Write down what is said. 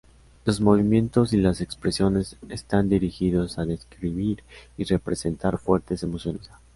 Los movimientos y las expresiones están dirigidos a describir y representar fuertes emociones.